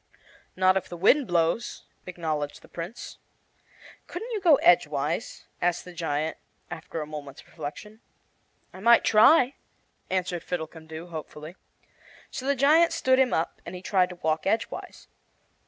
"Not if the wind blows," acknowledged the Prince. "Couldn't you go edgewise?" asked the giant after a moment's reflection. "I might try," answered Fiddlecumdoo, hopefully. So the giant stood him up, and he tried to walk edgewise.